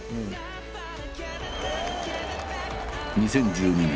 ２０１２年。